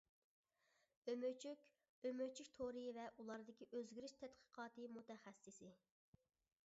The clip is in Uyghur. ئۆمۈچۈك، ئۆمۈچۈك تورى ۋە ئۇلاردىكى ئۆزگىرىش تەتقىقاتى مۇتەخەسسىسى.